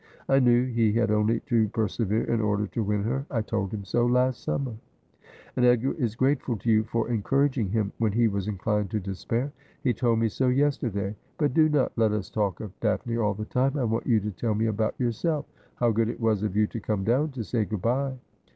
I knew he had only to persevere in order to win her. I told him so last summer.' ' And Edgar is grateful to you for encouraging him when he was inclined to despair. He told me so yesterday. But do not let us talk of Daphne all the time. I want you to tell me about yourself. How good it was of you to come down to say good bye!